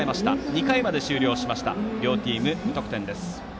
２回まで終了して両チーム無得点です。